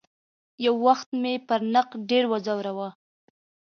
یو وخت مې پر نقد ډېر وځوراوه.